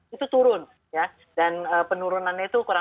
itu turun ya dan penurunannya itu kurang